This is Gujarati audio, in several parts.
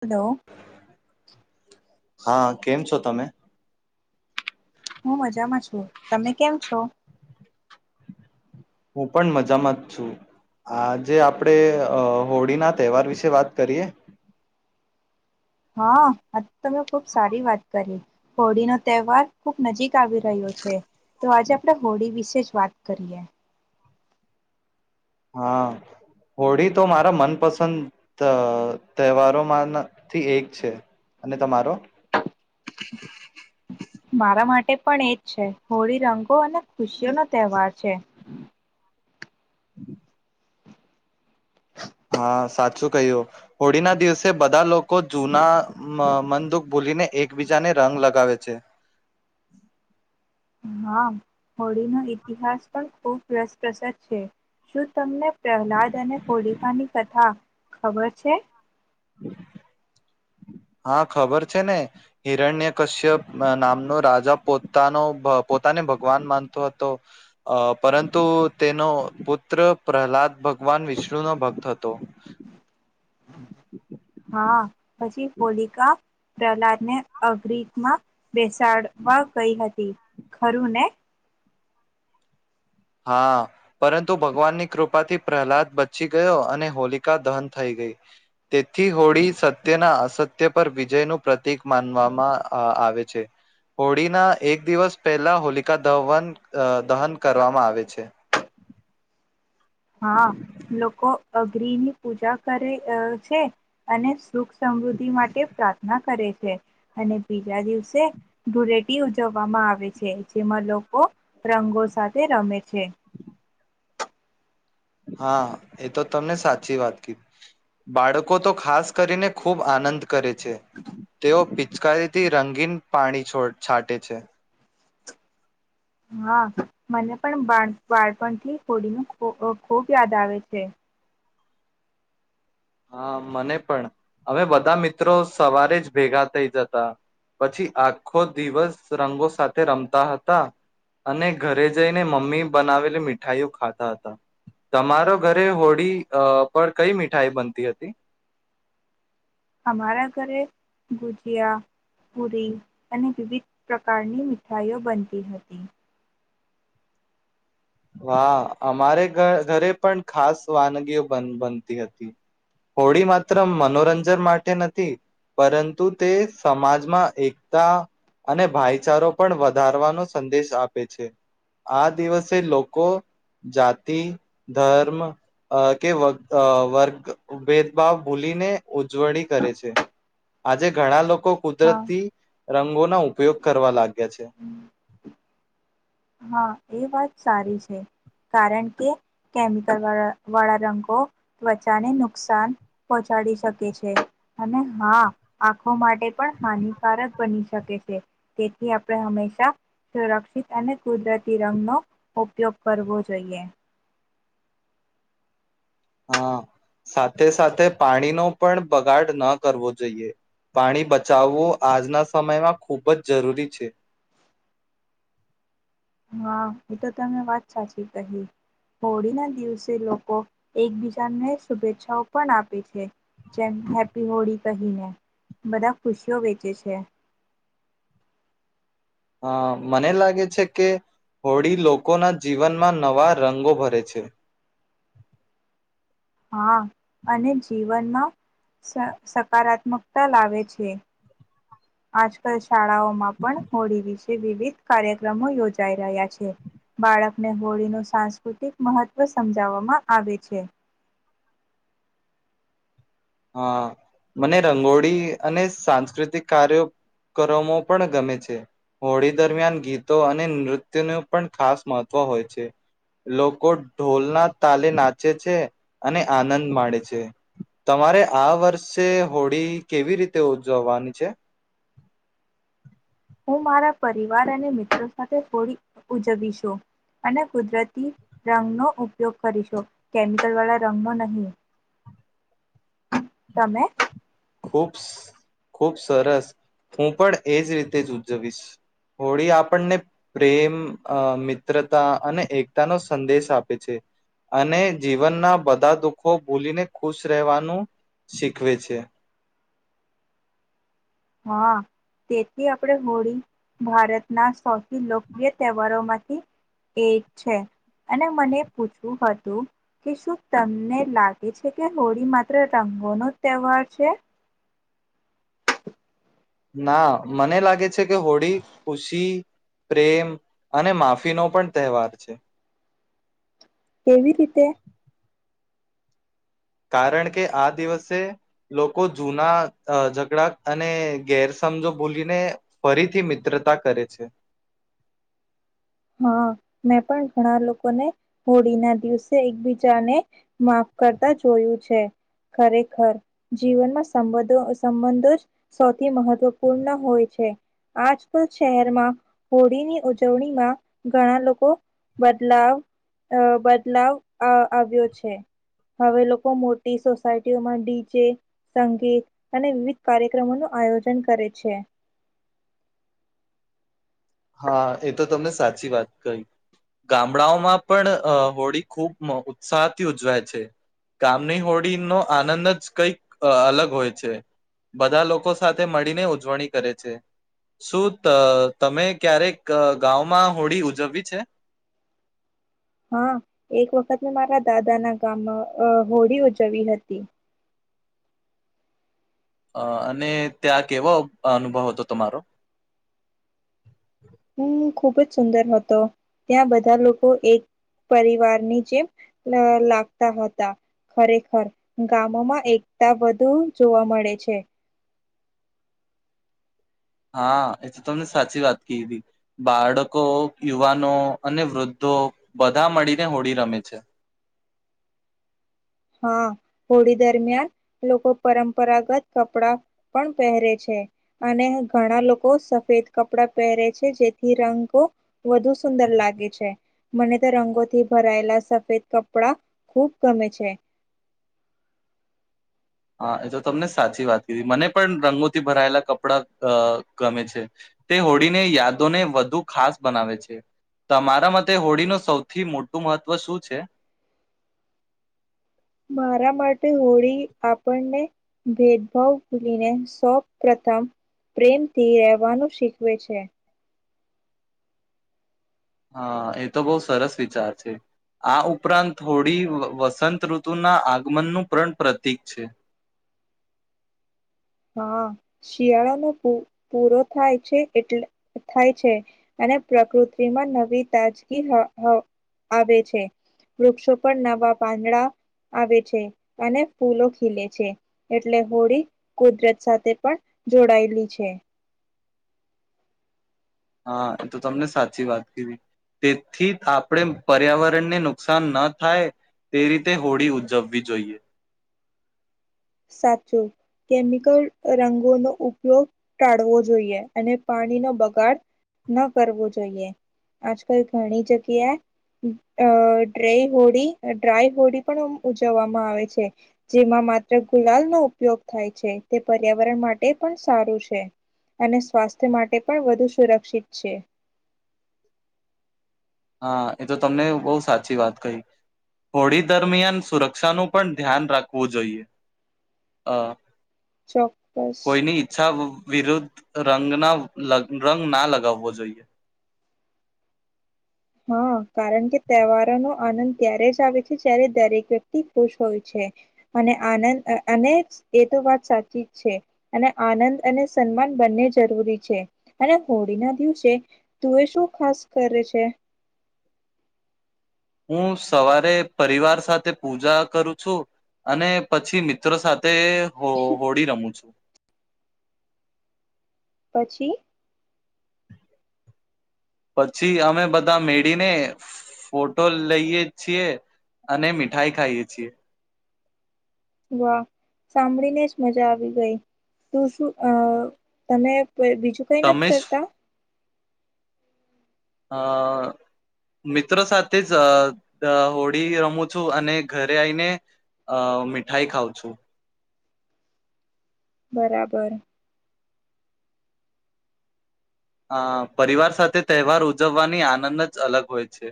હલો. હા કેમ છો તમે. હું મજામાં છું તમે કેમ છો? હું પણ મજામાં જ છું, આજે આપણેે હોળીના તહેવાર વિશે વાત કરીએ? હા આ તમે ખુબ સારી વાત કરી. હોળીનો તહેવાર ખુબ નજીક આવી રહ્યો છે, તો આજે આપણે હોળી વિશે જ વાત કરીએ. હા, હોળી તો મારા મનપસંદ તહેવારોમાંથી એક છે, અને તમારો? મારા માટે પણ એજ છે, હોળી રંગો અને ખુશીઓનો તહેવાર છે. હમ. હા સાચું કહ્યું, હોળીના દિવસે બધા લોકો જૂના મનદુઃખ ભૂલીને એકબીજાને રંગ લગાવે છે. હા હોળી નો ઇતિહાસ પણ ખુબ રસપ્રસદ છે, શું તમને પ્રહલાદ અને હોળિકાની કથા ખબર છે? [inaudible] હા ખબર છે ને, હિરણ્યકશ્યપ નામનો રાજા પોતાનો પોતાને ભગવાન માનતો હતો, પરંતુ તેનો પુત્ર પ્રહલાદ ભગવાન વિષ્ણુનો ભક્ત હતો. હા પછી પોલિકા પ્રહલાદ ને અગનિ માં બેસાડવા ગઈ હતી, ખરુને. હા, પરંતુ ભગવાનની કૃપાથી પ્રહલાદ બચી ગયો અને હોલિકા દહન થઈ ગઈ, તેથી હોળી સત્યના અસત્ય પર વિજયનું પ્રતિક માનવામાં આવે છે, હોળીના એક દિવસ પહેલા હોલિકા દહન દહન કરવામાં આવે છે. હા, લોકો અગનીની પૂજા કરે છે, અને સુખ સમૃદ્ધિ માટે પ્રાર્થના કરે છે. અને બીજા દિવસે, ધુળટી ઉજવવામાં આવે છે જેમાં લોકો રંગો સાથે રમે છે. હા એ તો તમે‌ સાચી વાત કીધી, બાળકો તો ખાસ કરીને ખૂબ આનંદ કરે છે, ‌તેઓ પિચકારીથી રંગીન પાણી છો છાંટે છે. હા, મને પણ બા બાળપણથી હોળીનું ખૂબ યાદ આવે છે. હાં મને પણ, અમે બધાં મિત્રો સવારે જ ભેગા થઈ જતા, પછી આખો દિવસ રંગો સાથે રમતા હતા, અને ઘરે જઈને મમ્મી બનાવેલી મીઠાઈઓ ખાતા હતા, તમારો ઘરે હોડી પર કઈ મીઠાઈ બનતી હતી? અમારા ઘરે ગુજિયા, પુરી અને વિવિધ પ્રકારની મીઠાઈઓ બનતી હતી. વાહ અમારે ઘરે પણ ખાસ વાનગીઓ બનતી હતી, હોડી માત્ર મનોરંજન માટે નથી, પરંતુ તે સમાજમાં એકતા અને ભાઈચારો પણ વધારવાનો સંદેશ આપે છે, આ દિવસે લોકો લોકો જાતિ, ધર્મ કે વર્ગ ભેદભાવ ભૂલીને ઉજવણી કરે છે, આજે ઘણાં લોકો કો હા કુદરતી રંગોના ઉપયોગ કરવા લાગ્યાં છે. હા એ વાત સારી છે, કારણ કે કેમિકલ વાળા રંગો ત્વચાને નુકસાન પહોંચાડી શકે છે, અને હા આંખો માટે પણ હાનિકારક બની શકે. તેથી આપણે હંમેશા સુરક્ષિત અને કુદરતી રંગનો ઉપયોગ કરવો જોઈએ. હાં, સાથે સાથે પાણીનો પણ બગાડ ન કરવો જોઈએ, ‌પાણી બચાવવું આજનાં સમયમાં ખૂબ જ જરૂરી છે. હા એ તો તમે વાત સાચી કહી, હોળી ના દિવસે લોકો એકબીજાને શુભેચ્છાઓ પણ આપે છે, જેમ હેપી હોળી કહીને, બધા ખુશીઓ વેચે છે. અ મને લાગે છે કે, હોળી લોકોના જીવનમાં નવા રંગો ભરે છે. હા, અને જીવનમાં સકારાત્મકતા લાવે છે. આજકાલ શાળાઓમાં પણ હોડી વિશે વિવિધ કાર્યક્રમો યોજાઈ રહ્યા છે, બાળકને હોળીનું સાંસ્કૃતિક મહત્વ સમજાવવામાં આવે છે. હાં, મને રંગોળી અને સાંસ્કૃતિક કાર્યોક્રમો પણ ગમે છે, હોળી દરમિયાન ગીતો અને નૃત્યનું પણ ખાસ મહત્ત્વ હોય છે, લોકો ઢોલના તાલે નાચે છે, અને આનંદ માણેે છે. તમારે આ વર્ષે હોળી કેવી રીતે ઉજવવાની છે? હું મારાં પરિવાર અને મિત્રો સાથે હોળી ઉજવીશું, અને કુદરતી રંગનો ઉપયોગ કરીશું, કેમિકલ વાળા રંગનો નહીં. તમે? ખૂબ ખૂબ સરસ, હું પણ એજ રીતે જ ઉજજવીશ, હોળી આપણને પ્રેમ, મિત્રતા અને એકતાનો સંદેશ આપે છે, અને જીવનના બધાં દુઃખો ભૂલીને ખુશ રહેવાનું શીખવે છે. હાં, તેથી આપણે હોળી ભારતના સૌથી લોકપ્રિય તહેવારોમાંથી એ છે, અને મને પૂછવું હતું કે, શું તમને લાગે છે કે હોળી માત્ર રંગોનો તહેવાર છે? ના મને લાગે છે કે હોળી ખુશી, પ્રેમ અને માફીનો પણ તહેવાર છે. કેવી રીતે? કારણ કે આ દિવસે, લોકો જૂના ઝઘડાં અને ગેરસમજો ભૂલીને ફરીથી મિત્રતા કરે છે. હાં મેં પણ ઘણા લોકોને, હોળીના દિવસે એકબીજાને માફ કરતા જોયું છે, ખરેખર જીવનમાં સંબંધો સંબંધો જ સૌથી મહત્વપૂર્ણ હોય છે, આજકાલ શહેરમાં હોળીની ઉજવણીમાં ઘણાં લોકો બદલાવ બદલાવ આવ્યો છે, હવે લોકો મોટી સોસાયટીઓમાં ડીજે, સંગીત અને વિવિધ કાર્યક્રમોનું આયોજન કરે છે. હાં એ તો તમને સાચી વાત કહી, ગામડાઓમાં પણ હોળી ખૂબ ઉત્સાહથી ઉજવાય છે, ગામની હોળીનો આનંદ જ કંઈક અલગ હોય છે, બધાં લોકો સાથે મળીને ઉજવણી કરે છે, શું તમે ક્યારેક ગામંમાં હોળી ‌ઉજવવી છે? હાં એક વખત મે મારા દાદાના ગામમાં હોળી ઉજવી હતી. અ અને ત્યાં કેવો અનુભવ હતો તમારો? હમ ખુબ જ સુંદર હતો, ત્યાં બધાં લોકો એક પરિવારની જેમ, લાગતા હતાં, ખરેખર ગામોમાં એકતા વધુ જોવા મળે છે. હા એ તો તમને સાચી વાત કીધી, બાળકો ‌યુવાનો અને વૃદ્ધો બધાં મળીને હોળી રમે છે. હાં, હોળી દરમિયાન લોકો પરંપરાગત કપડા પણ પહેરે છે, અને ઘણાં લોકો સફેદ કપડા પહેરે છે જેથી રંગો વધુ સુંદર લાગે છે, મને તો રંગોથી ભરાયેલા સફેદ કપડા ખૂબ ગમે છે. હાં એ તો તમને સાચી વાત કીધી મને પણ રંગોથી ભરાયેલા કપડાં અ ગમે છે, તે હોળીને યાદોને વધુ ખાસ બનાવે છે, તમારા માટે હોળીનું સૌથી મોટું મહત્વ શું છે? મારા માટે હોળી આપણને ભેદભાવ ભૂલીને સૌ પ્રથમ પ્રેમથી રહેવાનું શીખવે છે. હા એ તો બહુ સરસ વિચાર છે, આ ઉપરાંત થોડી વસંત ઋતુના આગમનનું પણ પ્રતીક છે. હાં, શિયાળોનો પ પૂરો થાય છે, એટલે થાય છે અને પ્રકૃતિમાં નવી તાજગી આવે છે, વૃક્ષો પણ નવા પાંદડા આવે છે અને ફૂલો ખીલે છે, એટલે હોળી કુદરત સાથે પણ જોડાયેલી છે. હાં એ તો તમને સાચી વાત કીધી, તેથી આપણે પર્યાવરણને નુકસાન ન થાય તે રીતે હોળી ઉજવવી જોઈએ. સાચું, કેમિકલ રંગોનો ઉપયોગ ટાળવો જોઈએ, અને પાણીનો બગાડ ન કરવો જોઈએ, આજકાલ ઘણી જગ્યાએ અ ડ હોડી ડ્રાય હોળી પણ ઉજવવામાં આવે છે જેમાં, ગુલાલનો ઉપયોગ થાય છે, તે પર્યાવરણ માટે પણ સારું છે, અને સ્વાસ્થ્ય માટે પણ વધુ સુરક્ષિત છે. હા એ તો તમને બહુ સાચી વાત કહી, હોળી દરમિયાન સુરક્ષાનું પણ ધ્યાન રાખવું જોઈએ, અ ચોક્કસ કોઈ નિ ઈચ્છા વિરુદ્ધ રંગના લ રંગ ના લગાવવો જોઈએ. હા કારણ કે તહેવારોનો આનંદ ત્યારે જ આવે છે જ્યારે દરેક વ્યક્તિ ખુશ હોય છે, અને આનંદ અને એ તો વાત સાચી જ છે, અને આનંદ અને સન્માન બંને જરૂરી છે, અને હોળી ના દિવસે, તું એ શું ખાસ કરે છે? હું સવારે પરિવાર સાથે પૂજા કરું છું, અને પછી મિત્રો સાથે તે હો હોળી રમું છું. પછી? પછી અમે બધા મેળીને ફોટો લઈએ છીએ, અને મીઠાઈ ખાઈએ છીએ. વાહ, સાંભળીને જ મજા આવી ગઈ, તું શું અ તમે? બીજું કઈ નથી તમે કરતા? અ મિત્રો સાથે જ અ હોળી રમું છું અને ઘરે આઈને, અ મીઠાઈ ખાઉં છું. બરાબર. અ પરિવાર સાથે તહેવાર ઉજવવાની આનંદ જ અલગ હોય છે.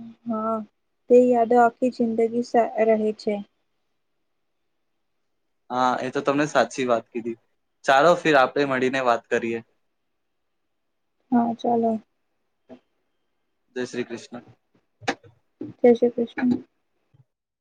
અ હા તે યાદો આખી જિંદગી જ રહે છે. હા એ તો તમને સાચી વાત કીધી, ચાલો ફિર આપણે મળીને વાત કરીએ. હા ચાલો. જય શ્રી કૃષ્ણ. જય શ્રી કૃષ્ણ.